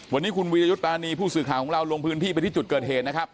วันนี้คุณวีรยุทธ์ปรานีผู้สื่อข่าวของเราลงพื้นที่ไปที่จุดเกิดเหตุนะครับ